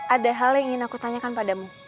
ada hal yang ingin aku tanyakan padamu